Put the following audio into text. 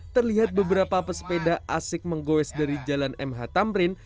terlihat beberapa pesepeda asik menggoes dari jalan mh tamrin